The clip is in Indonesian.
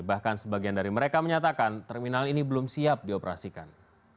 bahkan sebagian dari mereka menyatakan terminal ini belum siap dioperasikan